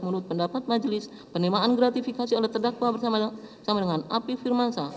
menurut pendapat majlis penerimaan gratifikasi oleh terdakwa bersama dengan api firman shah